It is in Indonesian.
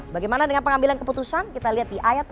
bagaimana dengan pengambilan keputusan kita lihat di ayat tiga